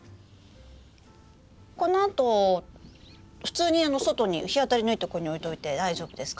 このあと普通に外に日当たりのいいとこに置いといて大丈夫ですか？